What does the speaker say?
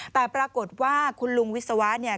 แต่ปรากฏว่าคุณลุงวิศวะเนี่ย